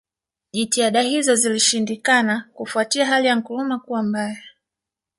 Jitihada hizo zilishindikana kufuatia hali ya Nkrumah Kuwa mbaya